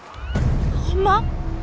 ホンマ！？